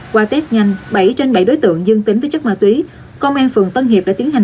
qua test nhanh bảy trên bảy đối tượng dương tính với chất ma túy công an phường tân hiệp đã tiến hành